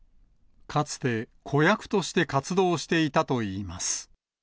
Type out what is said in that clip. かつて子役として活動していたといいます。